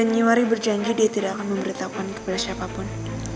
anywari berjanji dia tidak akan memberitahukan kepada siapapun